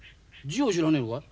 字を知らねえのか？